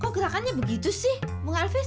kok gerakannya begitu sih bung elfries